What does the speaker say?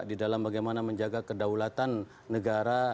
di dalam bagaimana menjaga kedaulatan negara